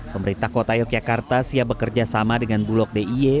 pemerintah kota yogyakarta siap bekerja sama dengan bulog d i e